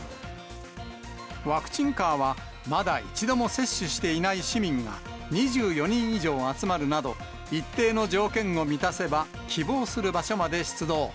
ワクチンカーは、まだ一度も接種していない市民が２４人以上集まるなど、一定の条件を満たせば、希望する場所まで出動。